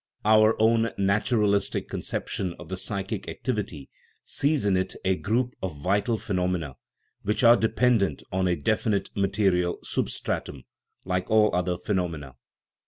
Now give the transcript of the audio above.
Our own naturalistic conception of the psychic activ ity sees in it a group of vital phenomena, which are de pendent on a definite material substratum, like all other phenomena.